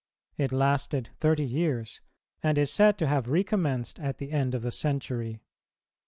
It lasted thirty years, and is said to have recommenced at the end of the Century.